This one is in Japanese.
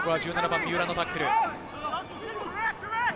１７番のタックル。